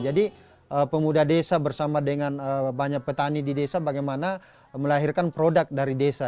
jadi pemuda desa bersama dengan banyak petani di desa bagaimana melahirkan produk dari desa